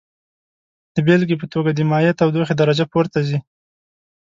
د بیلګې په توګه د مایع تودوخې درجه پورته ځي.